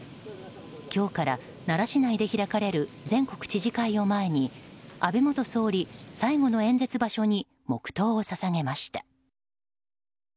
今日から奈良市内で開かれる全国知事会を前に安倍元総理最後の演説場所に黙祷を捧げました。